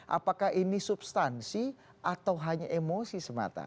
apakah ini substansi atau hanya emosi semata